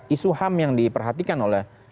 isu ham yang diperhatikan oleh